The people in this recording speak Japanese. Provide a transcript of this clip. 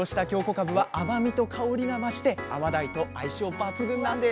かぶは甘みと香りが増して甘鯛と相性抜群なんです